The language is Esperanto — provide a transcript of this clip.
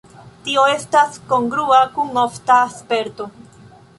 Tio estas kongrua kun ofta sperto.